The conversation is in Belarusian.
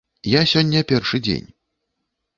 Я сёння першы дзень.